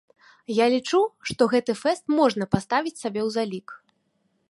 Я лічу, што гэты фэст можна паставіць сабе ў залік.